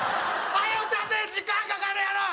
はよ立て時間かかるやろ！